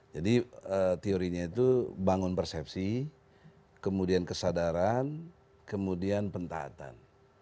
jadi teorinya itu bangun persepsi kemudian kesadaran kemudian pentatan